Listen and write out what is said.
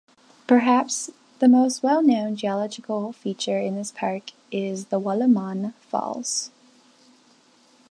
Perhaps the most well known geological feature in this park is the Wallaman Falls.